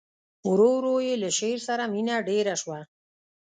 ورو ورو یې له شعر سره مینه ډېره شوه